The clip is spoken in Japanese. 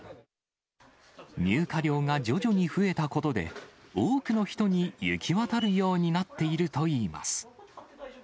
入荷量が徐々に増えたことで、多くの人に行き渡るようになっているといいます。